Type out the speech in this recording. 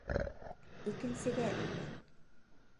Икенсегә өйлән.